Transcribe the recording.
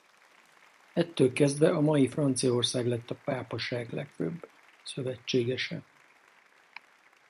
Ettől kezdve a mai Franciaország lett a pápaság legfőbb szövetségese.